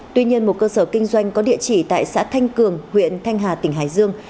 tuy nhiên một cơ sở kinh doanh có địa chỉ tại xã thanh cường huyện thanh hà tỉnh hải dương